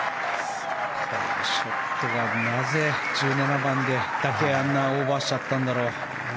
ショットがなぜ１７番だけあんなオーバーしちゃったんだろう。